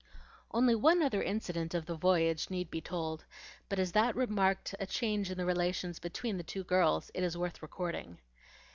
Only one other incident of the voyage need be told; but as that marked a change in the relations between the two girls it is worth recording.